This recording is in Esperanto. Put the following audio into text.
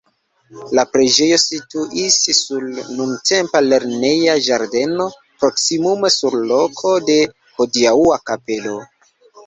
La preĝejo situis sur nuntempa lerneja ĝardeno, proksimume sur loko de hodiaŭa kapelo.